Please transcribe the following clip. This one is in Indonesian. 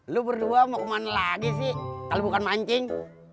lu berdua mau kemana lagi sih kalau bukan mancing